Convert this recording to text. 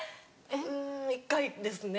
うん一回ですね